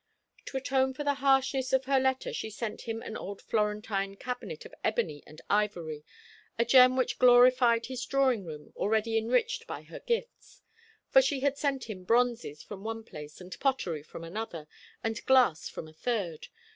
To atone for the harshness of her letter she sent him an old Florentine cabinet of ebony and ivory, a gem which glorified his drawing room, already enriched by her gifts; for she had sent him bronzes from one place, and pottery from another, and glass from a third.